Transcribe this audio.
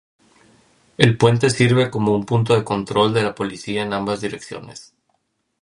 El puente sirve como un punto de control de la policía en ambas direcciones.